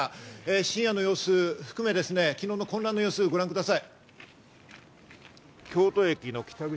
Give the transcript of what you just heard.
深夜の様子を含めて、昨日の混乱の様子をご覧ください。